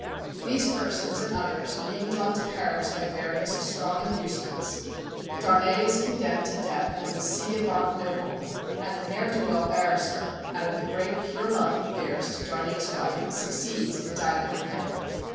These persons, and others, being drawn to Paris by various strong inducements, Darnay is condemned to death as a ci devant noble, and the ne'er do well barrister, out of the great pure love he bears to Darnay's wife, succeeds in dying for him.